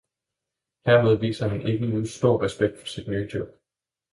Hermed viser han ikke just stor respekt for sit nye job.